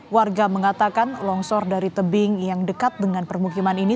warga mengatakan longsor dari tebing yang dekat dengan permukiman ini